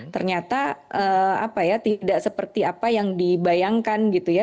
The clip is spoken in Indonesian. ternyata tidak seperti apa yang dibayangkan gitu ya